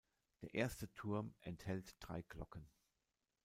Der erste Turm enthält drei Glocken.